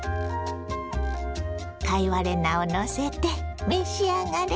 貝割れ菜をのせて召し上がれ。